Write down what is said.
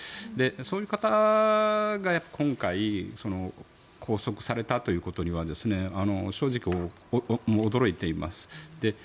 そういう方が今回拘束されたということには正直、驚いています。